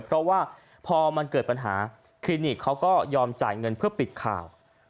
เพราะว่าพอมันเกิดปัญหาคลินิกเขาก็ยอมจ่ายเงินเพื่อปิดข่าว